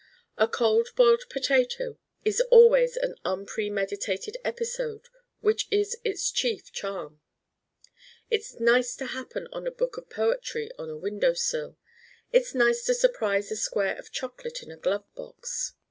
A Cold Boiled Potato is always an unpremeditated episode which is its chief charm. It's nice to happen on a book of poetry on a window sill. It's nice to surprise a square of chocolate in a glove box.